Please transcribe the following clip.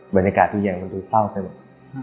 บรรยากาศทุกอย่างมันดูเศร้าไปหมด